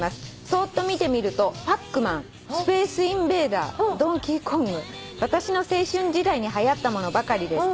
「そーっと見てみると『パックマン』『スペースインベーダー』『ドンキーコング』私の青春時代にはやったものばかりです」